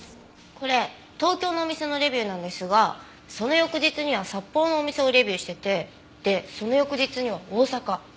これ東京のお店のレビューなんですがその翌日には札幌のお店をレビューしててでその翌日には大阪。